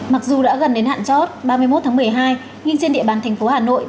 mặc dù đã gần đến hạn chót ba mươi một tháng một mươi hai nhưng trên địa bàn thành phố hà nội